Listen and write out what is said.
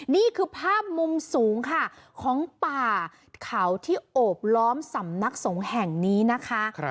นี่คือภาพมุมสูงค่ะของป่าเขาที่โอบล้อมสำนักสงฆ์แห่งนี้นะคะ